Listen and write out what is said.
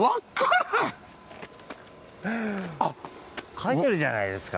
書いてるじゃないですか。